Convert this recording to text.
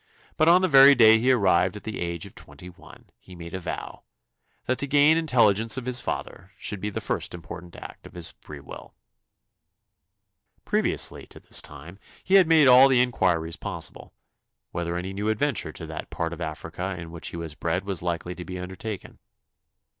But on the very day he arrived at the age of twenty one, he made a vow "that to gain intelligence of his father should be the first important act of his free will." Previously to this time he had made all the inquiries possible, whether any new adventure to that part of Africa in which he was bred was likely to be undertaken.